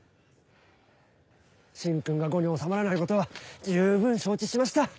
信君が伍におさまらないことは十分承知しました。